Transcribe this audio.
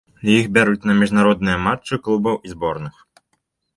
Іх бяруць на міжнародныя матчы клубаў і зборных.